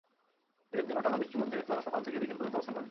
ঈদের দিনও টানা বৃষ্টির মধ্যে তাঁরা সকাল থেকে বিকেল পর্যন্ত অবস্থান করেন।